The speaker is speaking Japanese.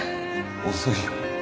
遅いよ。